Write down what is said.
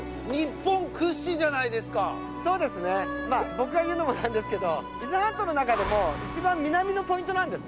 僕が言うのもなんですけど伊豆半島の中でも一番南のポイントなんですね。